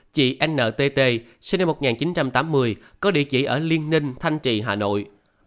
một mươi sáu chị n t t sinh năm một nghìn chín trăm tám mươi có địa chỉ ở liên ninh thanh trì hà nội